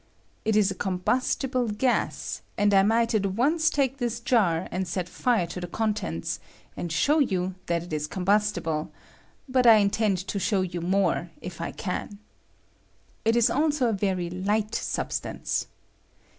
It is a combustible gas; and I might at once take this jar and set fire to the contents, and show you that it is 1 J PROPERTIES OF THE NEW GAS. 83 combustible ; but I intend to sbow you more, if I can. It is also a very ligbt aubstance.